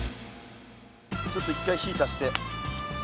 ちょっと一回火ぃ足して。